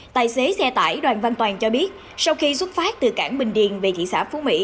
tài xế xe tải đoàn văn toàn cho biết sau khi xuất phát từ cảng bình điền về thị xã phú mỹ